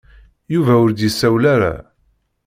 Yuba ur d-yessawel ara.